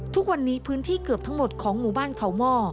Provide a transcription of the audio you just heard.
ทุกวันนี้พื้นที่เกือบทั้งหมดของหมู่บ้านเขาหม้อ